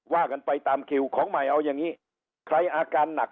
ว่ากันไปตามคิวของใหม่เอาอย่างนี้ใครอาการหนัก